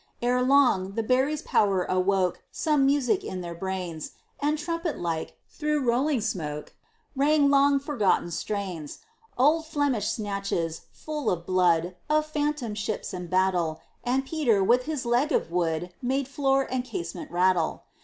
Erelong, the berry's power awoke Some music in their brains, And, trumpet like, through rolling smoke, Rang long forgotten strains, Old Flemish snatches, full of blood, Of phantom ships and battle; And Peter, with his leg of wood, Made floor and casement rattle.